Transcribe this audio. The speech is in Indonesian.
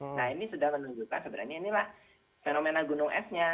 nah ini sudah menunjukkan sebenarnya inilah fenomena gunung esnya